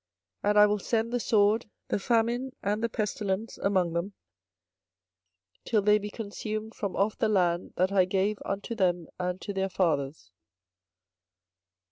24:024:010 And I will send the sword, the famine, and the pestilence, among them, till they be consumed from off the land that I gave unto them and to their fathers.